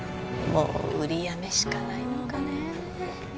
もう売りやめしかないのかね